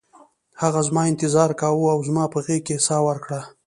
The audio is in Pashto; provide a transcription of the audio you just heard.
هغه زما انتظار کاوه او زما په غیږ کې یې ساه ورکړه